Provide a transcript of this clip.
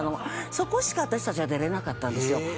そこしか私たちは出られなかったんですよ。